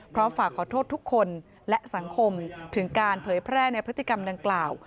ฝากขอโทษทุกคนและสังคมถึงการเผยแพร่ในพฤติกรรมดังกล่าว